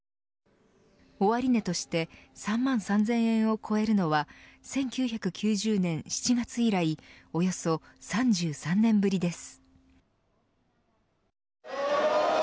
終値として３万３０００円を超えるのは１９９０年７月以来およそ３３年ぶりです。